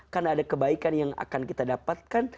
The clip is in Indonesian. karena ada kebaikan yang akan kita dapatkan